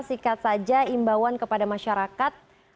singkat saja imbauan kepada masyarakat